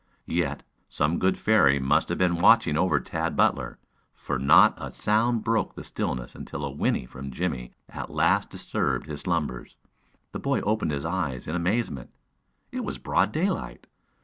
Yet some good fairy must have been watching over Tad Butler, for not a sound broke the stillness until a whinny from Jimmie at last disturbed his slumbers. The boy opened his eyes in amazement. It was broad daylight.